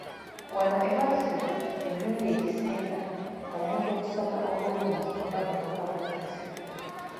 Wano ewaffe emirundi egisinga omuntu okusoma obulungi bamukaka bukasi!